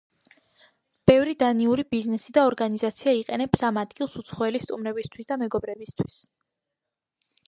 ბევრი დანიური ბიზნესი და ორგანიზაცია იყენებს ამ ადგილს უცხოელი სტუმრებისთვის და მეგობრებისთვის.